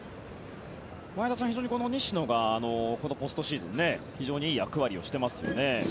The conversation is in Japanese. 前田さん、非常にこの西野がこのポストシーズン非常にいい役割をしてますよね。